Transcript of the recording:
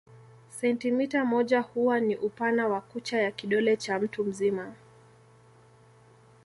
Sentimita moja huwa ni upana wa kucha ya kidole cha mtu mzima.